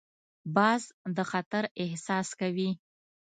باز د خطر احساس کوي